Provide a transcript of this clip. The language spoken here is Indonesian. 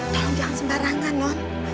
tolong jangan sembarangan non